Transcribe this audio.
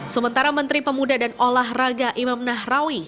sementara menteri pemuda dan olah raga imam nahrawi